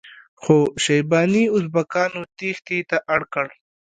خو شیباني ازبکانو تیښتې ته اړ کړ.